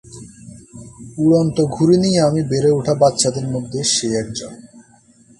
উড়ন্ত ঘুড়ি নিয়ে আমি বেড়ে ওঠা বাচ্চাদের মধ্যে সে একজন।